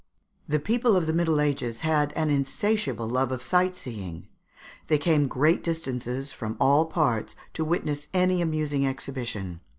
] The people of the Middle Ages had an insatiable love of sight seeing; they came great distances, from all parts, to witness any amusing exhibition.